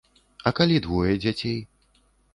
А калі двое дзяцей?